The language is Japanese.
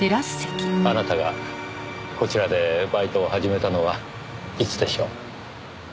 あなたがこちらでバイトを始めたのはいつでしょう？